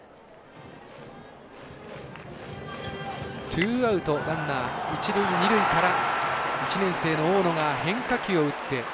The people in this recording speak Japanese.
ツーアウトランナー、一塁二塁から１年生の大野が変化球を打って。